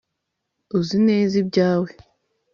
uzi neza ibyawe